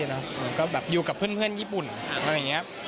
ผมก็อยู่กับเพื่อนญี่ปุ่นแล้วแบบนี้